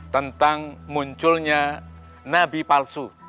tentang munculnya nabi palsu